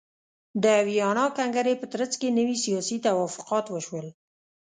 د ویانا کنګرې په ترڅ کې نوي سیاسي توافقات وشول.